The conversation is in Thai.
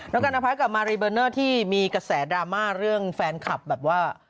แล้วกันนพัฒน์กับมารีเบอร์เนอร์ที่มีกระแสดราม่าเรื่องแฟนคลับแบบว่า